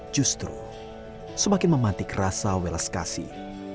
justru semakin memantik rasa welas kasih